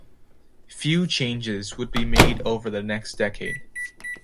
Few changes would be made over the next decade.